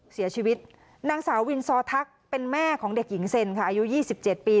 เสียชีวิตนางสาววินซอทักเป็นแม่ของเด็กหญิงเซ็นอายุยี่สิบเจ็ดปี